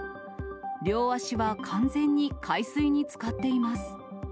両足は完全に海水につかっています。